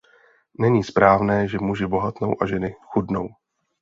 Není správné, že muži bohatnou a ženy chudnou.